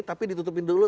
tapi ditutupin dulu